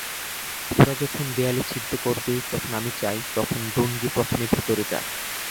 ওরা যখন দেয়ালে ছিদ্র করবে, তখন আমি চাই তখন ডোনাগি প্রথমে ভেতরে যাক।